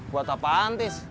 buat apaan tis